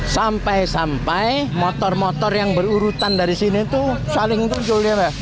sampai sampai motor motor yang berurutan dari sini itu saling muncul